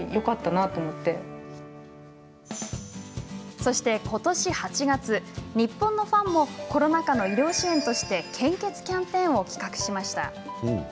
そして、ことし８月日本のファンもコロナ禍の医療支援として献血キャンペーンを企画しました。